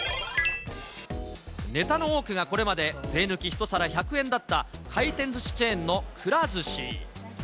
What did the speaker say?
ネタの多くがこれまで税抜き１皿１００円だった回転ずしチェーンのくら寿司。